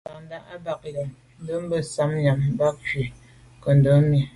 Ndǎ’ndʉ̂ a bαg len, ndɛ̂nmbə̀ sα̌m nyὰm mbὰ ncʉ̌’ kə cwɛ̌d nkondɛ̀n mi.